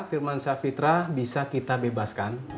firman safitra bisa kita bebaskan